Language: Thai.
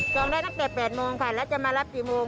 ได้ตั้งแต่๘โมงค่ะแล้วจะมารับกี่โมง